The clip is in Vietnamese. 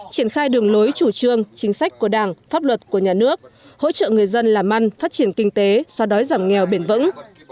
triển khai đường lối chủ trương chính sách của đảng pháp luật của nhà nước hỗ trợ người dân làm ăn phát triển kinh tế xóa đói giảm nghèo bền vững